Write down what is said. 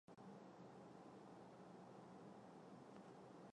布鲁德七世的竞争对手。